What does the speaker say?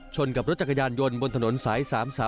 กับรถจักรยานยนต์บนถนนสาย๓๓